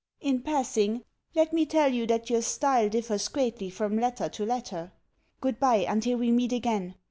In passing, let me tell you that your style differs greatly from letter to letter. Goodbye until we meet again.